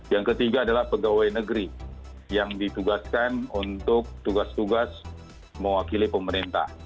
yang ketiga adalah pegawai negeri yang ditugaskan untuk tugas tugas mewakili pemerintah